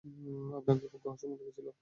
আপনাকে খুব রহস্যময় লেগেছিল।